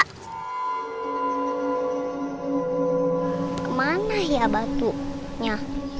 kemana ya batunya